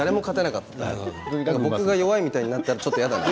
僕が弱いみたいになったらちょっと嫌だな。